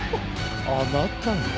あなたが。